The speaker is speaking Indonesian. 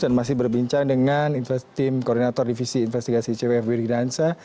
dan masih berbincang dengan tim koordinator divisi investigasi cwf widi gidahansa